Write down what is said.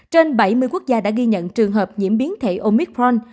trên bảy mươi quốc gia đã ghi nhận trường hợp nhiễm biến thể omitron